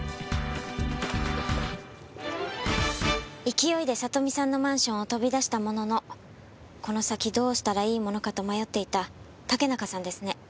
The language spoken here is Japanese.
勢いで里美さんのマンションを飛び出したもののこの先どうしたらいいものかと迷っていた竹中さんですね？